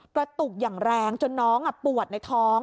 กระตุกอย่างแรงจนน้องปวดในท้อง